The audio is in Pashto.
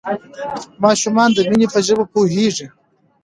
ماشومان د مینې په ژبه پوهیږي.